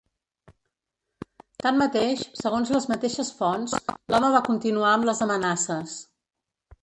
Tanmateix, segons les mateixes fonts, l’home va continuar amb les amenaces.